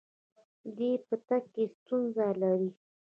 دی په تګ کې ستونزه لري.